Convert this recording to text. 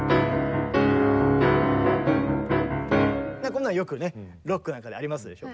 こんなのよくねロックなんかでありますでしょ。